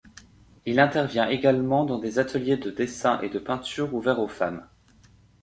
Il intervient également dans des ateliers de dessins et de peintures ouverts aux femmes.